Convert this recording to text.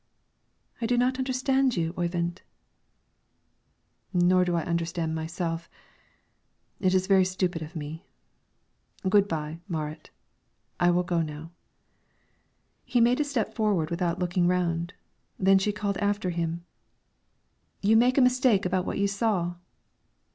"I do not understand you, Oyvind." "Nor do I understand myself; it is very stupid of me. Good by, Marit; I will go now." He made a step forward without looking round. Then she called after him. "You make a mistake about what you saw."